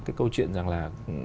cái câu chuyện rằng là